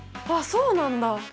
あっそうなんだ！